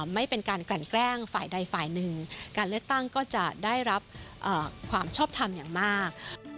ไม่เป็นการกลั่นแกล้งฝ่ายใดฝ่ายหนึ่งการเลือกตั้งก็จะได้รับความชอบทำอย่างมาก